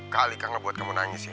kak alika gak buat kamu nangis ya